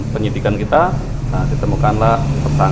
kerugian di taksil kurang lebih rp dua ratus lima puluh enam juta